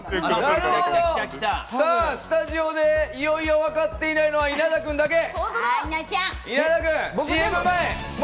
スタジオでいよいよわかっていないのは稲田君だけ。